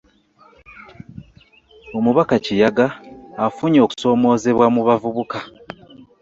Omubaka Kiyaga afunye okusoomoozebwa mu bavubuka